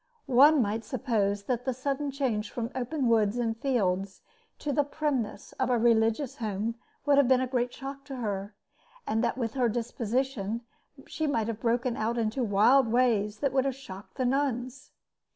One might suppose that the sudden change from the open woods and fields to the primness of a religious home would have been a great shock to her, and that with her disposition she might have broken out into wild ways that would have shocked the nuns.